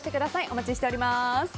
お待ちしております。